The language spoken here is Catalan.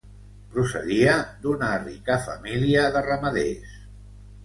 Procedia d'una rica família de ramaders.